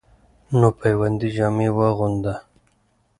نو پیوندي جامې واغوندۀ،